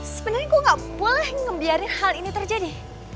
sebenernya gue gak boleh ngebiarin hal ini terjadi